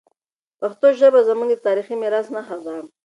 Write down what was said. پښتو ژبه زموږ د تاریخي میراث نښه ده.